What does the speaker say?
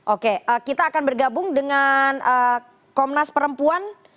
oke kita akan bergabung dengan komnas perempuan